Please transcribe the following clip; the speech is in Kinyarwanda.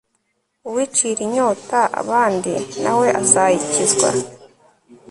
uwicira inyota abandi, na we azayikizwa